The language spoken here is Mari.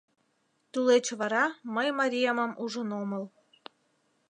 Тулеч вара мый мариемым ужын омыл...»